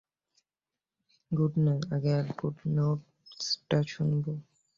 Good news, আগে good নিউজটা শুনব!